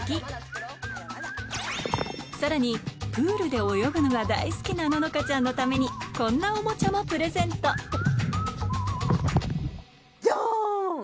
さらにプールで泳ぐのが大好きな乃々佳ちゃんのためにこんなおもちゃもプレゼントジャン！